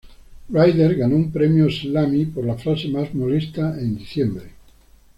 Ryder ganó un premio Slammy por la frase más molesta en diciembre.